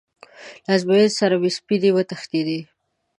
له ازموینې سره مې سپینې وتښتېدې.